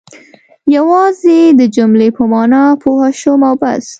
یوازې د جملې په معنا پوه شوم او بس.